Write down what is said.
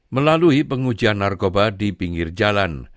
melalui pengujian narkoba di pinggir jalan